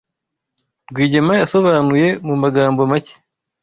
Rwigema yasobanuye mu magambo make